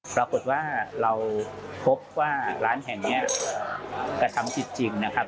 ปรากฏว่าเราพบว่าร้านแห่งนี้กระทำผิดจริงนะครับ